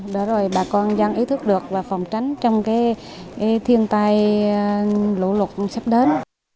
để rồi bà con dân ý thức được và phòng tránh trong thiên tai lũ lụt sắp đến